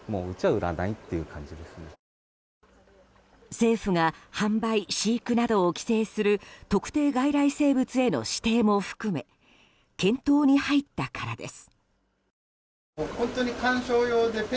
政府が販売、飼育などを規制する特定外来生物への指定も含め検討に入ったからです。